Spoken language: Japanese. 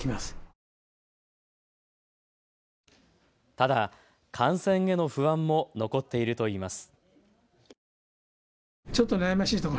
ただ、感染への不安も残っているといいます。